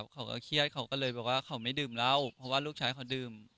เขาก็เครียดเลยเขาไม่ดื่มราวเพราะวันบริการดื่ม